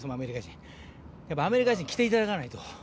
やっぱアメリカ人来ていただかないと。